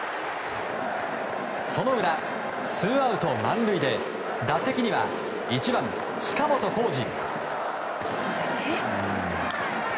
その裏、ツーアウト満塁で打席には１番、近本光司。